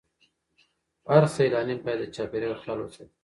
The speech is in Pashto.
هر سیلانی باید د چاپیریال خیال وساتي.